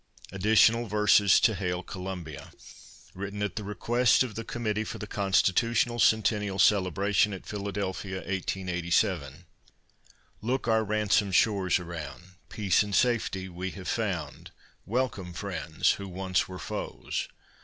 ADDITIONAL VERSES TO HAIL COLUMBIA Written at the request of the committee for the Constitutional Centennial Celebration at Philadelphia, 1887. Look our ransomed shores around, Peace and safety we have found! Welcome, friends who once were foes!